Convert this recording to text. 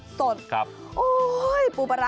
อยากทานส้มตำเห็นปลาระเห็นปูดองแบบสด